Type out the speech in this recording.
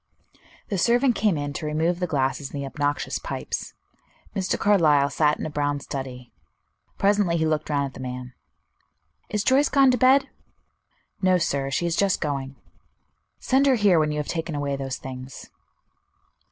The servant came in to remove the glasses and the obnoxious pipes. Mr. Carlyle sat in a brown study; presently he looked round at the man. "Is Joyce gone to bed?" "No, sir. She is just going." "Send her here when you have taken away those things."